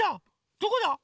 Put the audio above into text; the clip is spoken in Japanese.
どこだ？